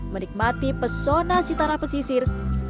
menikmati pesona sitara pesisir